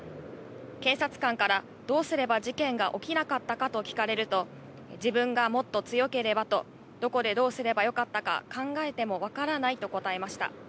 検察官からどうすれば事件が起きなかったかと聞かれると、自分がもっと強ければと、どこでどうすればよかったか考えても分からないと答えました。